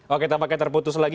oke kita pakai terputus lagi